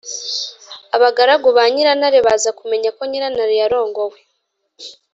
abagaragu ba nyirantare baza kumenya ko nyirantare yarongowe.